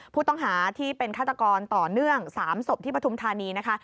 ผู้ต้องหาที่เป็นฆาตกรต่อเนื่อง๓ศพที่ปฐุมธานีนะคะ